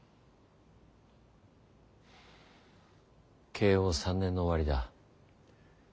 慶応３年の終わりだ。